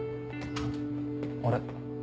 あれ？